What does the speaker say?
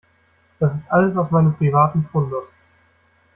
Das ist alles aus meinem privaten Fundus.